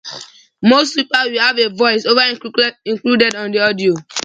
Most sweepers will have a voice over included on the audio.